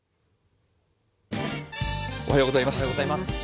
おはようございます。